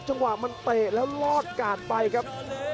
จังหวะมันเตะแล้วลอดกาดไปครับ